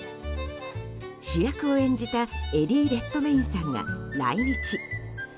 主役を演じた、エディ・レッドメインさんが来日。